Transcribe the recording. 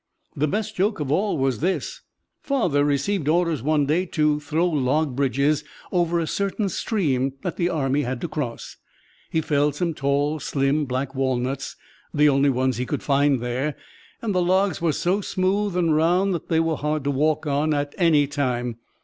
The best joke of all was this: Father received orders one day to throw log bridges over a certain stream the army had to cross. He felled some tall, slim black walnuts the only ones he could find there and the logs were so smooth and round that they were hard to walk on any time.